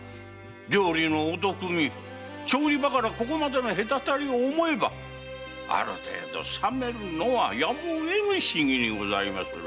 料理のお毒味調理場からここまでの隔たりを思えばある程度冷めるのはやむをえぬ仕儀にございまする。